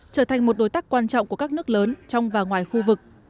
trở thành một đối tác quan trọng của các nước lớn trong và ngoài khu vực